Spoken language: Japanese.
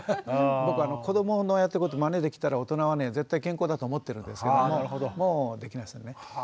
僕子どものやってることまねできたら大人は絶対健康だと思ってるんですけどももうできないですよね。